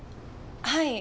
はい。